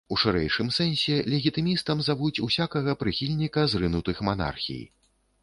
У шырэйшым сэнсе легітымістам завуць усякага прыхільніка зрынутых манархій.